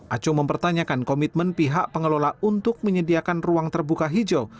aco mempertanyakan komitmen pihak pengelola untuk menyediakan ruang terbuka hijau